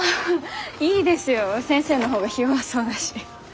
いいですよ先生の方がひ弱そうだし。